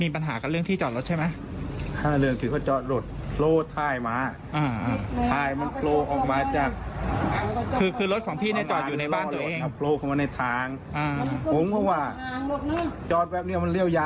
บอกว่าคันต่อไปจะจอดแบบนี้